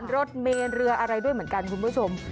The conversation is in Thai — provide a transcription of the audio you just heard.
รถเมนเรืออะไรด้วยเหมือนกันคุณผู้ชม